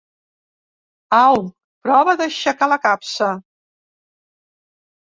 Au, prova d'aixecar la capsa.